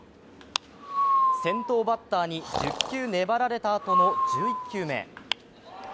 先頭バッターに１０球粘られたあとの１１球目。